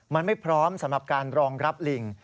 มันไม่พร้อมสำหรับการรองรับลิง